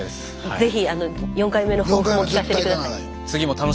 是非４回目の抱負も聞かせて下さい。